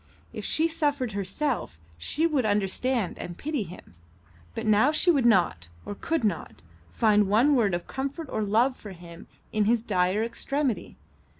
If she suffered herself she would understand and pity him; but now she would not, or could not, find one word of comfort or love for him in his dire extremity.